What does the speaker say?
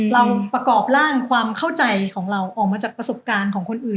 เราประกอบร่างความเข้าใจของเราออกมาจากประสบการณ์ของคนอื่น